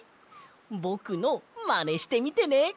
ぼくのマネしてみてね！